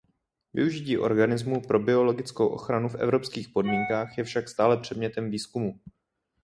Využití organismů pro biologickou ochranu v evropských podmínkách je však stále předmětem výzkumu.